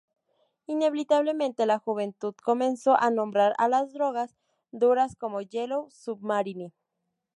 Inevitablemente, la juventud comenzó a nombrar a las drogas duras como "Yellow Submarine".